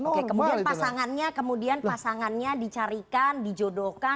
oke kemudian pasangannya kemudian pasangannya dicarikan dijodohkan dalam acara kemarin